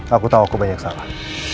aku tahu aku banyak salah